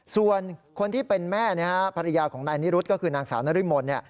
ส่วนคนที่เป็นแม่ภรรยาของนายนิรุธก็คือนางสาวนริมล